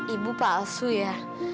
ibu palsu ya